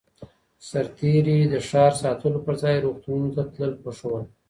سرتېري د ښار ساتلو پرځای روغتونونو ته تلل خوښ ول.